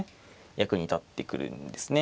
役に立ってくるんですね。